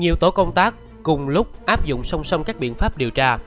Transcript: nhiều tổ công tác cùng lúc áp dụng song song các biện pháp điều tra